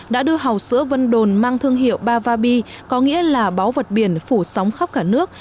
đã đưa hầu sữa vân đồn mang thương hiệu bavabi có nghĩa là báu vật biển phủ sóng khắp cả nước